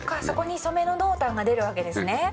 そこに染めの濃淡が出るわけですね。